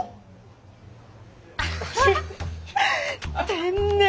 天然！